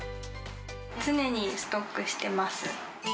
常にストックしてます。